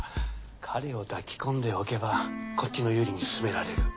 彼を抱き込んでおけばこっちの有利に進められる。